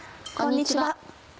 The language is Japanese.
こんにちは。